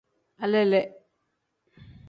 Alele.